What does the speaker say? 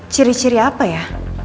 ciri ciri apa ya